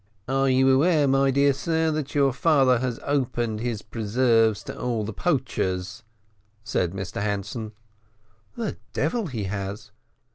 "Are you aware, my dear sir, that your father has opened his preserves to all the poachers?" said Mr Hanson. "The devil he has!"